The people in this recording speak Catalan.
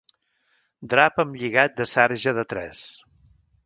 Drap amb lligat de sarja de tres.